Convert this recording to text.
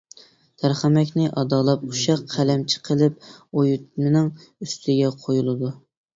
تەرخەمەكنى ئادالاپ ئۇششاق قەلەمچە قىلىپ ئۇيۇتمىنىڭ ئۈستىگە قۇيۇلىدۇ.